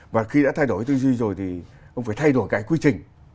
và khi đã thay đổi tư duy rồi thì ông phải thay đổi cái quy trình